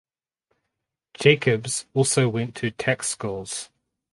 Jacobs also went to tax schools.